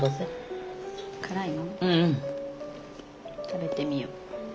食べてみよう。